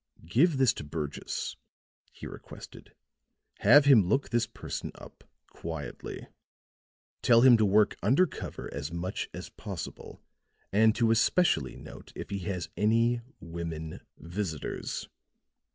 "Give this to Burgess," he requested. "Have him look this person up quietly. Tell him to work under cover as much as possible; and to especially note if he has any women visitors."